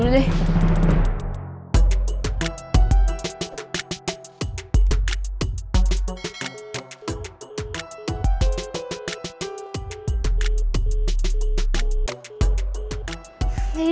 jadi lagi nelfon siapa sih